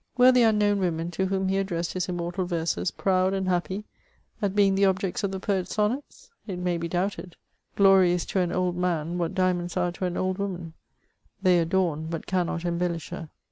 Were the unknown women to whom he addressed his immortal verses proud and happy at being the objects of the poet's sonnets ? It may be doubted ; glory is to an old man, what diamonds axe to an old woman : they adorn, but cannot embellish her. CHATEAUBRIAND.